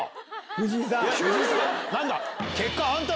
藤井さん！